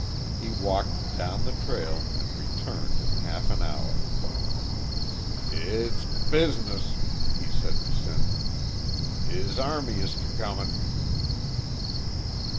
He walked down the trail and returned in half an hour. "It's B Business," he said to Sinth. "His army is c comin'."